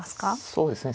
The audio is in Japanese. そうですね。